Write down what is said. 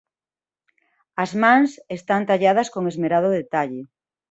As mans están tallada con esmerado detalle.